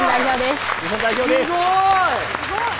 すごい！